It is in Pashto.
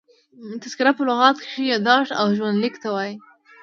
تذکره په لغت کښي یاداشت او ژوند لیک ته وايي.